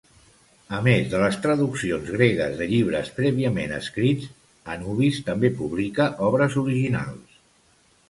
A més de les traduccions gregues de llibres prèviament escrits, Anubis també publica obres originals.